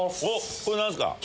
これ何すか？